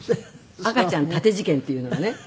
赤ちゃん立て事件っていうのがねあって。